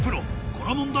この問題